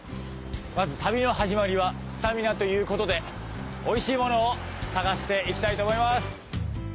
まず旅の始まりはスタミナということでおいしいものを探していきたいと思います！